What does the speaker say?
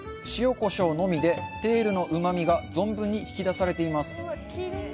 塩、こしょうのみでテールのうまみが存分に引き出されています。